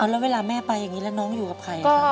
แล้วเวลาแม่ไปอย่างนี้แล้วน้องอยู่กับใครครับ